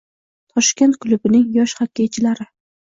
“Toshkent” klubining yosh xokkeychilari